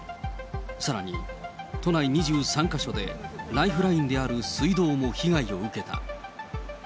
さらに、都内２３か所で、ライフラインである水道も被害を受けた。